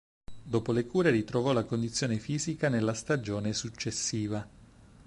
Dopo le cure ritrovò la condizione fisica nella stagione successiva.